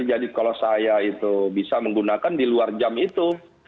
jadi kalau saya itu bisa menggunakan di luar jam itu